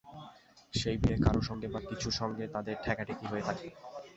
সেই ভিড়ে কারও সঙ্গে বা কিছুর সঙ্গে তাদের ঠেকাঠেকি হয়ে থাকবে।